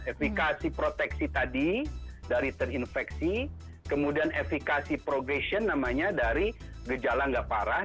efekasi proteksi tadi dari terinfeksi kemudian efekasi progression namanya dari gejala nggak parah